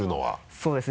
そうですね